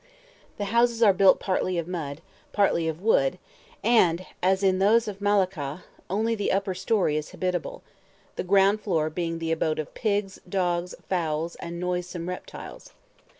The houses are built partly of mud, partly of wood, and, as in those of Malacca, only the upper story is habitable, the ground floor being the abode of pigs, dogs, fowls, and noisome reptiles.